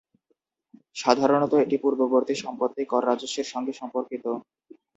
সাধারণত এটি পূর্ববর্তী সম্পত্তি কর রাজস্বের সঙ্গে সম্পর্কিত।